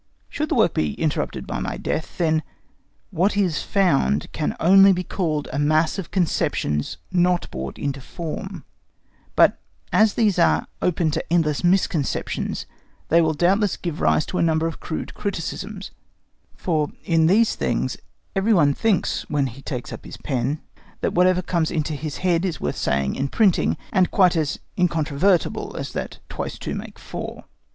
Should the work be interrupted by my death, then what is found can only be called a mass of conceptions not brought into form; but as these are open to endless misconceptions, they will doubtless give rise to a number of crude criticisms: for in these things, every one thinks, when he takes up his pen, that whatever comes into his head is worth saying and printing, and quite as incontrovertible as that twice two make four.